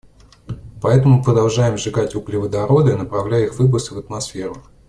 Поэтому мы продолжаем сжигать углеводороды, направляя их выбросы в атмосферу.